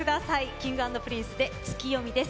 Ｋｉｎｇ＆Ｐｒｉｎｃｅで「ツキヨミ」です。